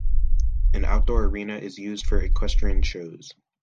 An outdoor arena is used for equestrian shows.